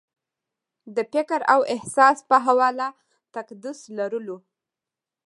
د فکر او احساس په حواله تقدس لرلو